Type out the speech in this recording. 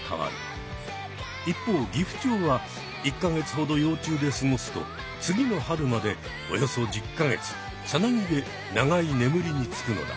一方ギフチョウは１か月ほど幼虫で過ごすと次の春までおよそ１０か月さなぎで長いねむりにつくのだ。